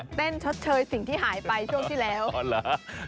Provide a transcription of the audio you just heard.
เต้นชดเชยสิ่งที่หายไปช่วงที่แล้ว